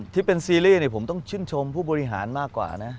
ที่เป็นซีรีส์ผมต้องชื่นชมผู้บริหารมากกว่านะ